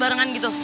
harus barengan gitu